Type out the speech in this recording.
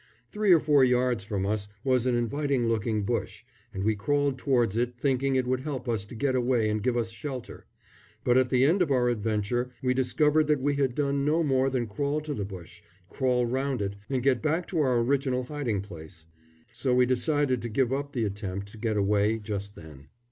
Three or four yards from us was an inviting looking bush, and we crawled towards it, thinking it would help us to get away and give us shelter; but at the end of our adventure we discovered that we had done no more than crawl to the bush, crawl round it, and get back to our original hiding place; so we decided to give up the attempt to get away just then.